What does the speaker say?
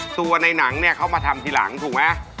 ตัวในนังเขามาทำทีหลังถูกไหม